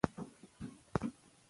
په ښوونځیو کې نوي میتودونه پلي کېږي.